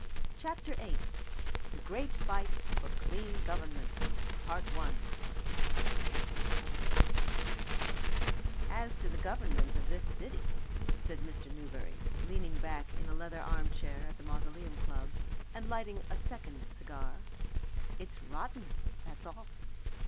CHAPTER EIGHT: The Great Fight for Clean Government "As to the government of this city," said Mr. Newberry, leaning back in a leather armchair at the Mausoleum Club and lighting a second cigar, "it's rotten, that's all."